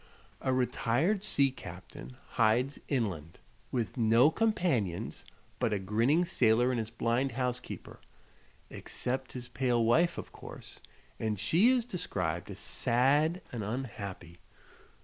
A retired sea captain hides inland, with no companions but a grinning sailor and his blind housekeeper except his pale wife, of course; and she is described as sad and unhappy.